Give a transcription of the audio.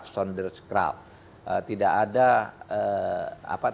tidak ada pidana tanpa kesalahan